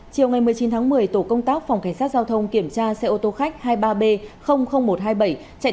chiều ngày một mươi chín tháng một mươi tổ công tác phòng cảnh sát giao thông kiểm tra xe ô tô khách hai mươi ba b một trăm hai mươi bảy chạy